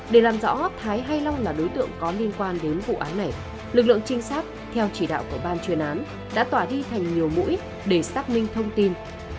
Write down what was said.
để làm rõ thái hay long là đối tượng có liên quan đến vụ án này lực lượng trinh sát theo chỉ đạo của ban chuyên án đã tỏa đi thành nhiều mũi để xác minh thông tin